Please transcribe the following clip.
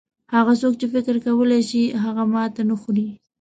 هغه څوک چې فکر کولای شي هغه ماته نه خوري.